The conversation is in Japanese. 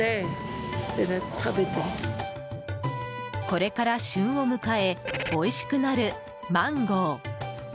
これから旬を迎えおいしくなるマンゴー。